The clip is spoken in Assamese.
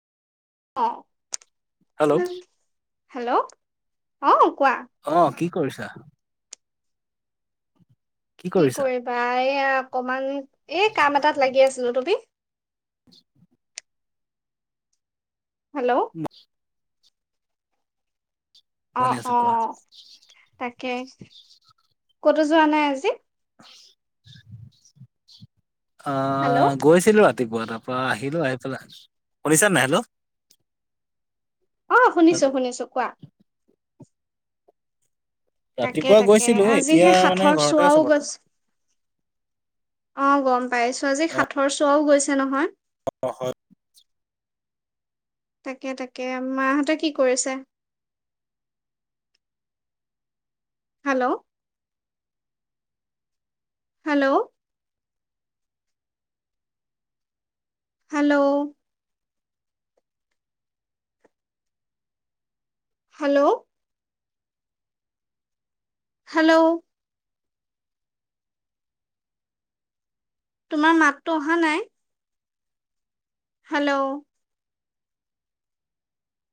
অ হেল্ল' হেল্ল' অ কোৱা অ কি কৰিছা কি কৰিবা এইয়া অকমান এই কাম এটাত লাগি আছিলো তুমি [unintelligible] হেল্ল' অ [unintelligible] অ শুনি আছো অ কোৱা অ তাকে ক'তো যোৱা নাই আজি হেল্ল' আহ গৈছিলো আ ৰাতিপুৱা তাপা আহিলো আহি পেলাই শুনিছা নে নাই হেল্ল অ শুনিছো হেল্ল' শুনিছো কোৱা তাকে ৰাতিপুৱা তাকে গৈছিলো আজি এতিয়া সেই মানে সাথৰ ঘৰতে আছো চোৱাও গৈছ বৰ্তমান অ গম পাইছো আজি সাথৰ চোৱাও গৈছে নহয় [inaudible] তাকে তাকে মাহঁতে কি কৰিছে hello hello hello hello hello তোমাৰ মাততো অহা নাই হেল্লৌ'